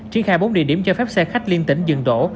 triển khai bốn địa điểm cho phép xe khách liên tỉnh dừng đổ